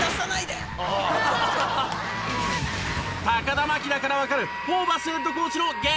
田真希だからわかるホーバスヘッドコーチの激